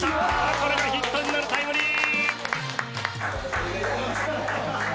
これがヒットになるタイムリー。